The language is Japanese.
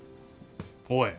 おい！